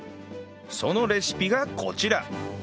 そのレシピがこちら